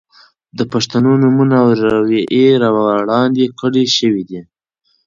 د پښتنو نومونه او روئيې را وړاندې کړے شوې دي.